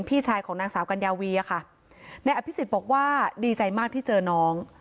พี่ชายของนางสาวกัญญาวีอะค่ะนายอภิษฎบอกว่าดีใจมากที่เจอน้อง